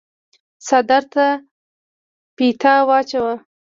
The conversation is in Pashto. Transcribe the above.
څادر ته فيته واچوه۔